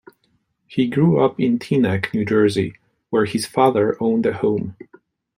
He grew up in Teaneck, New Jersey where his father owned a home.